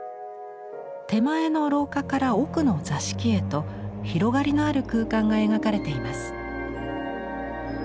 手前の廊下から奥の座敷へと広がりのある空間が描かれています。